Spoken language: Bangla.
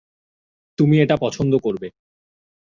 তুমি এটা পছন্দ করবে।